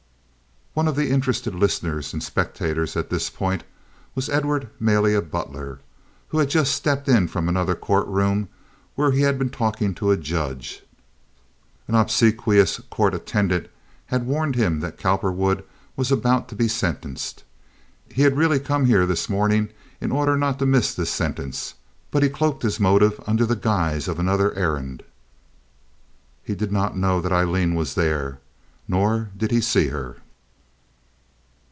One of the interested listeners and spectators at this point was Edward Malia Butler, who had just stepped in from another courtroom where he had been talking to a judge. An obsequious court attendant had warned him that Cowperwood was about to be sentenced. He had really come here this morning in order not to miss this sentence, but he cloaked his motive under the guise of another errand. He did not know that Aileen was there, nor did he see her.